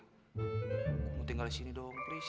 gue mau tinggal di sini doang please ya